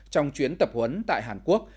trong chuyến tập huấn tại hàn quốc